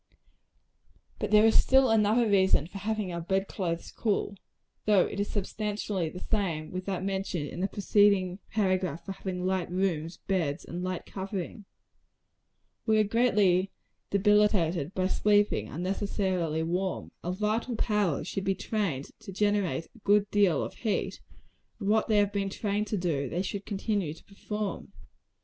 But there is still another reason for having our bed clothes cool though it is substantially the same with that mentioned in a preceding paragraph for having light rooms, beds, and light covering. We are greatly debilitated by sleeping unnecessarily warm. Our vital powers should be trained to generate a good deal of heat; and what they have been trained to do, they should continue to perform.